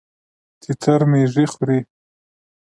تتر ميږي خوري.